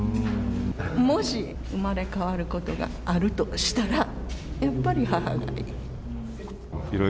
もし生まれ変わることがあるとしたら、やっぱり母がいい。